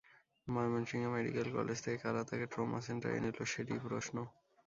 Mymensingh medical college থেকে কারা তাঁকে ট্রমা সেন্টারে নিল, সেটিই প্রশ্ন।